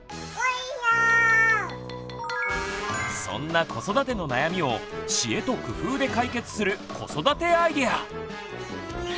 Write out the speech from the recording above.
そんな子育ての悩みを知恵と工夫で解決する子育てアイデア！